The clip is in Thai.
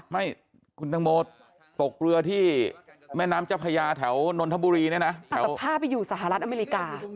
ไม่คุณตังโมตกเรือที่แม่น้ำเจ้าพญาแถวนนทบุรีเนี่ยนะแต่ผ้าไปอยู่สหรัฐอเมริกา